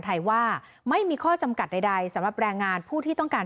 ไทยว่าไม่มีข้อจำกัดใดสำหรับแรงงานผู้ที่ต้องการ